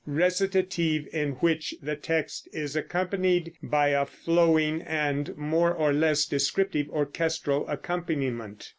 recitative in which the text is accompanied by a flowing and more or less descriptive orchestral accompaniment.